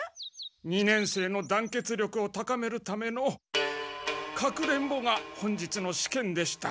二年生の団結力を高めるためのかくれんぼが本日の試験でした。